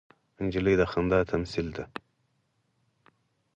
نجلۍ د خندا تمثیل ده.